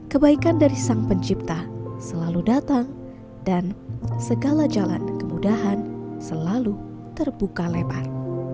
kebaikan dari sang pencipta selalu datang dan segala jalan kemudahan selalu terbuka lebar